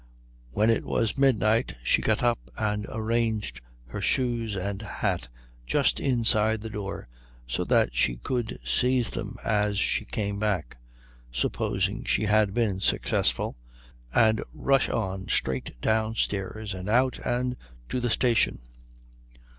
When it was midnight she got up and arranged her shoes and hat just inside the door so that she could seize them as she came back, supposing she had been successful, and rush on straight downstairs and out and to the station.